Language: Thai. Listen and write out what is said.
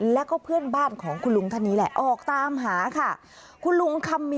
และเพื่อนบ้านของคุณลุงทะนี้นี่แหละออกตามหาค่ะ